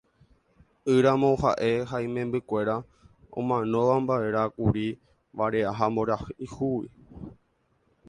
Ỹramo ha'e ha imembykuéra omanombamava'erãkuri vare'a ha mboriahúgui.